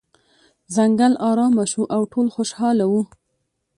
ځنګل ارامه شو او ټول خوشحاله وو.